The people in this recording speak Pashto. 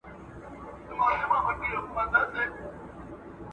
زه خبري کړې دي،